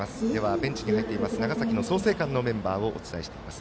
ベンチに入っている長崎の創成館のメンバーをお伝えしていきます。